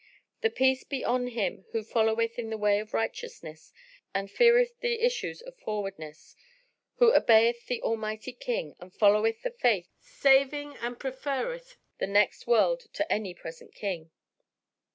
* The Peace be on him who followeth in the way of righteousness and who feareth the issues of frowardness * who obeyeth the Almighty King and followeth the Faith saving and preferreth the next world to any present thing!